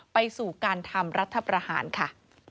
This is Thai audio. ไปสู่การทำรัฐประหารค่ะ